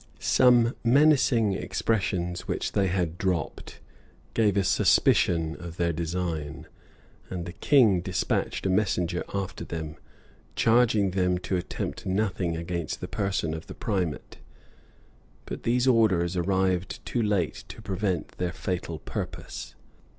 Some menacing expressions which they had dropped, gave a suspicion of their design; and the king despatched a messenger after them, charging them to attempt nothing against the person of the primate; but these orders arrived too late to prevent their fatal purpose.